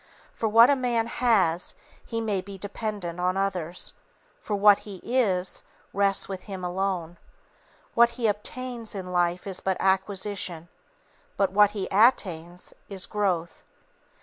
For what a man has, he may be dependent on others; what he is, rests with him alone. What he _ob_tains in life is but acquisition; what he _at_tains, is growth.